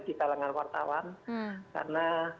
di kalangan wartawan karena